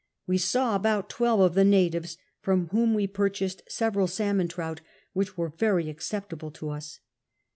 We saw about twelve of the natives, from whom we purchased several salmon trout, which were very acceptable to us.